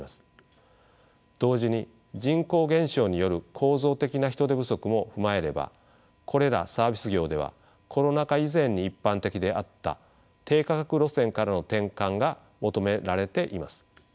同時に人口減少による構造的な人手不足も踏まえればこれらサービス業ではコロナ禍以前に一般的であった低価格路線からの転換が求められています。